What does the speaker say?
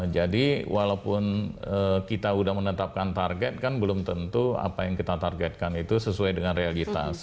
jadi walaupun kita sudah menetapkan target kan belum tentu apa yang kita targetkan itu sesuai dengan realitas